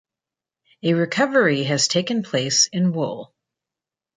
A recovery has taken place in wool.